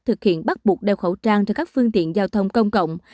thực hiện bắt buộc đeo khẩu trang cho các phương tiện giao thông công cộng